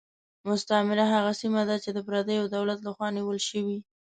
مستعمره هغه سیمه ده چې د پردیو دولت له خوا نیول شوې.